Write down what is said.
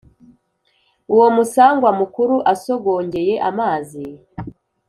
Uwo musangwa mukuru asogongeye amazi